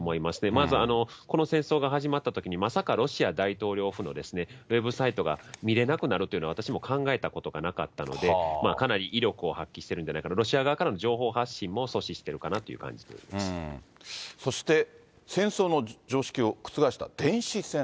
まずこの戦争が始まったときに、まさかロシア大統領府のウェブサイトが見れなくなるというのは私も考えたことがなかったので、かなり威力を発揮してるんじゃないかな、ロシア側からの情報発信も阻止しているかなという感じていそして、戦争の常識を覆した電子戦。